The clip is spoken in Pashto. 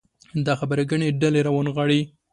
دا خبرې ګڼې ډلې راونغاړي.